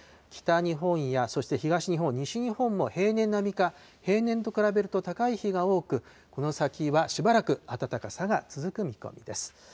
北日本や、そして東日本、西日本も平年並みか、平年と比べると高い日が多く、この先はしばらく暖かさが続く見込みです。